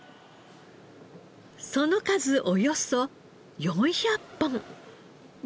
その数およそ４００本。